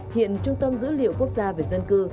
hiện trung tâm dữ liệu quốc gia về dân cư